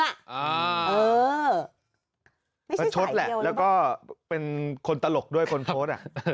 เออไม่ใช่สายเดียวหรือเปล่าชดแหละแล้วก็เป็นคนตลกด้วยคนโพสต์